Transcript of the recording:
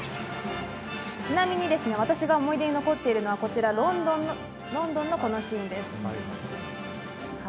ちなみに私が思い出に残っているのはロンドンの、このシーンです。